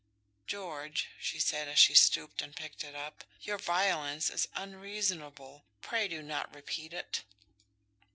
"George," she said, as she stooped and picked it up, "your violence is unreasonable; pray do not repeat it."